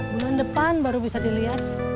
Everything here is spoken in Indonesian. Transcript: bulan depan baru bisa dilihat